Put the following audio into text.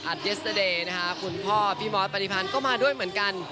เอสเตอร์เดย์นะคะคุณพ่อพี่มอสปฏิพันธ์ก็มาด้วยเหมือนกัน